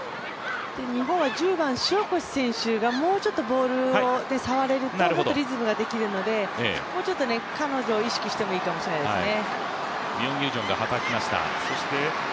日本は１０番・塩越選手がもっとボールを触れるとリズムが出てくるので、もうちょっと彼女を意識してもいいかもしれないですね。